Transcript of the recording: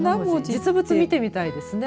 実物を見てみたいですね。